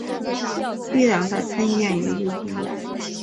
绿党在参议院有一位议员。